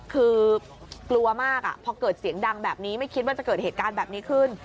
คือกลัวมากพอเกิดเสียงดังแบบนี้ไม่คิดว่าจะเกิดเหตุการณ์แบบนี้ขึ้น